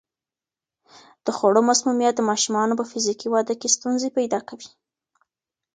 د خوړو مسمومیت د ماشومانو په فزیکي وده کې ستونزې پیدا کوي.